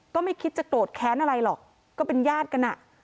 ก็ไม่คิดจะโกรธแค้นอะไรหรอกก็เป็นญาติกันอ่ะ